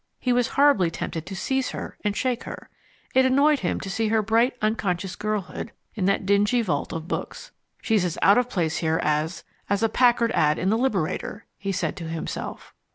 He was horribly tempted to seize her and shake her. It annoyed him to see her bright, unconscious girlhood in that dingy vault of books. "She's as out of place here as as a Packard ad in the Liberator" he said to himself.